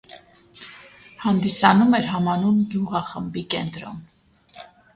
Հանդիսանում էր համանուն գյուղախմբի կենտրոն։